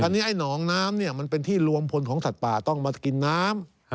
อันนี้ไอ้หนองน้ำเนี่ยมันเป็นที่รวมพลของสัตว์ป่าต้องมากินน้ำ